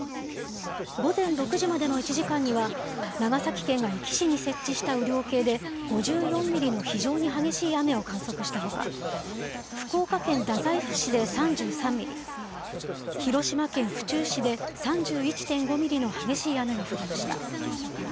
午前６時までの１時間には、長崎県が壱岐市に設置した雨量計で、５４ミリの非常に激しい雨を観測したほか、福岡県太宰府市で３３ミリ、広島県府中市で３１．５ミリの激しい雨が降りました。